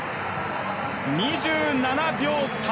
２７秒３１。